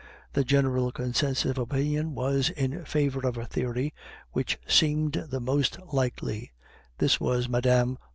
The general consensus of opinion was in favor of a theory which seemed the most likely; this was Mme.